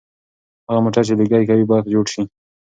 هغه موټر چې لوګي کوي باید جوړ شي.